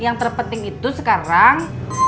yang terpenting itu sekarang